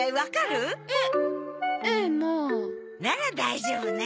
なら大丈夫ね。